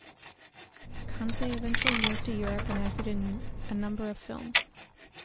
Conte eventually moved to Europe and acted in a number of films.